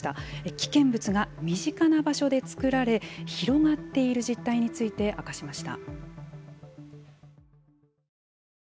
危険物が身近な場所で造られ広がっている実態にについて明かしました。